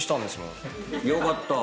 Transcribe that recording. よかった。